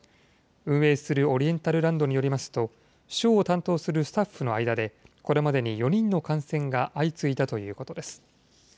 運営するオリエンタルランドによりますと、ショーを担当するスタッフの間で、これまでに４人の感染が相次いだということです。